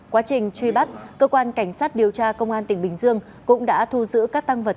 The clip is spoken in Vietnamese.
quá trình truy bắt cơ quan cảnh sát điều tra công an tỉnh bình dương cũng đã thu giữ các tăng vật